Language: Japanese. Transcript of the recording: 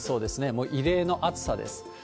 もう異例の暑さです。